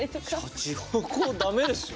シャチホコダメですよね？